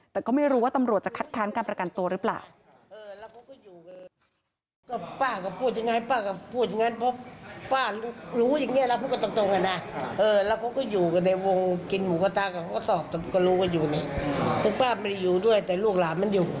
แต่ก็ไม่รู้ว่าตำรวจจะคัดค้านการประกันตัวหรือเปล่า